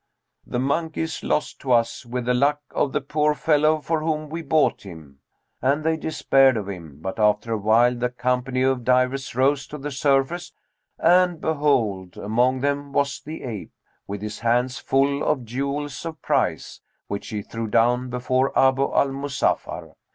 The monkey is lost to us with the luck of the poor fellow for whom we bought him.' And they despaired of him; but, after a while, the company of divers rose to the surface, and behold, among them was the ape, with his hands full of jewels of price, which he threw down before Abu al Muzaffar.